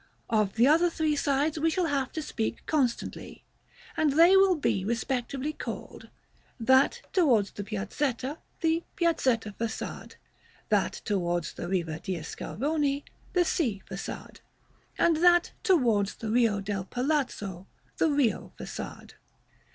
Of the other three sides we shall have to speak constantly; and they will be respectively called, that towards the Piazzetta, the "Piazzetta Façade;" that towards the Riva de' Schiavoni, the "Sea Façade;" and that towards the Rio del Palazzo, the "Rio Façade."